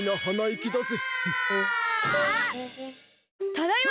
ただいま！